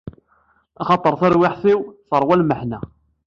Axaṭer tarwiḥt-iw teṛwa lmeḥna.